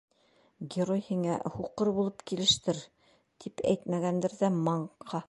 Герой һиңә, һуҡыр булып килештер, тип әйтмәгәндер ҙә, маңҡа!